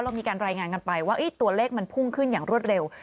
มีการรายงานกันไปว่าตัวเลขมันพุ่งขึ้นอย่างรวดเร็ว